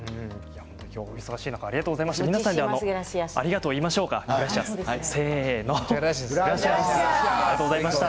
今日はお忙しい中ありがとうございました。